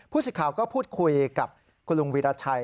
ผู้สิทธิ์ข่าวก็พูดคุยกับคุณลุงวิรัชัย